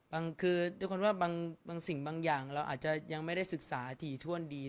บางคือขนว่าไม่สิ่งบางอย่างเลยอาจจะยังไม่ได้ศึกษาถี่ถ้วนดี